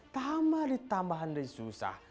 tambah ditambah andai susah